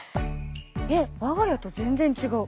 えっ我が家と全然違う。